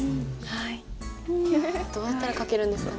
いやどうやったら書けるんですかね。